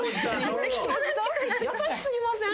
優しすぎません？